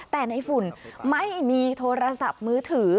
แต่ในฝุ่นไม่มีโทรศัพท์มือถือ